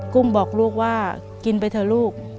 กุ้งบอกลูกว่ากินไปเถอะลูก